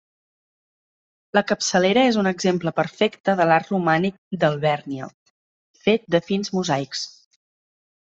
La capçalera és un exemple perfecte de l'art romànic d'Alvèrnia, fet de fins mosaics.